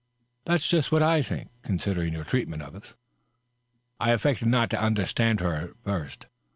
" That's just what I think, considering your treatment of us." I affected not to understand her, at first.